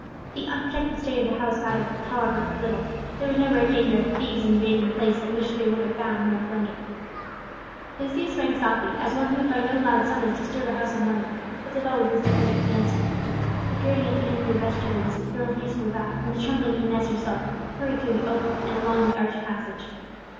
The unprotected state of the house mattered, however, little; there was no great danger of thieves invading a place in which they would find no plunder. Lucius rang softly, as one who would by no loud summons disturb a house of mourning; but the bell was instantly answered. The grating at the end of the vestibule was thrown hastily back, and the trembling Inez herself hurried through the opening, and along the arched passage.